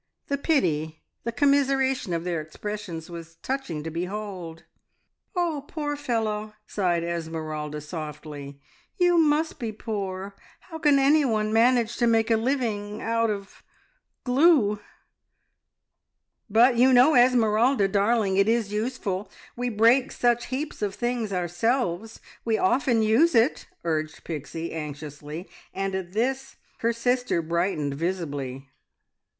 The pity, the commiseration of their expressions was touching to behold. "Oh, poor fellow!" sighed Esmeralda softly. "You must be poor! How can anyone manage to make a living out of glue?" "But you know, Esmeralda darling, it is useful! We break such heaps of things ourselves. We often use it," urged Pixie anxiously; and at this her sister brightened visibly.